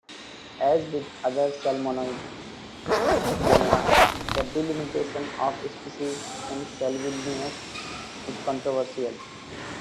As with other salmonid genera, the delimitation of species in "Salvelinus" is controversial.